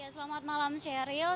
selamat malam sheryl